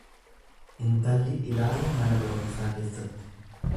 Intalli ilaala mana barumsaa keessatti.